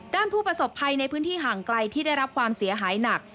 ผู้ประสบภัยในพื้นที่ห่างไกลที่ได้รับความเสียหายหนัก